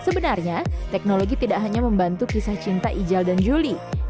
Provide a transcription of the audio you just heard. sebenarnya teknologi tidak hanya membantu kisah cinta ijal dan julie